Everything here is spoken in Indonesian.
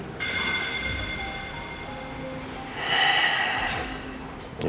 ada adik kamu catherine